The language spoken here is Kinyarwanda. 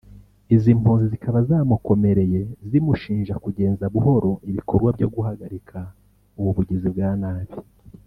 izi mpunzi zikaba zamukomereye zimushinja kugenza buhoro ibikorwa byo guhagarika ubu bugizi bwa nabi